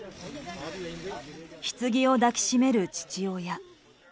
ひつぎを抱きしめる父親。